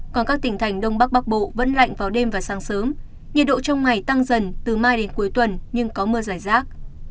còn các tỉnh thành đông bắc bắc bộ vẫn lạnh vào đêm và sáng sớm nhiệt độ trong ngày tăng dần từ mai đến cuối tuần nhưng có mưa giải rác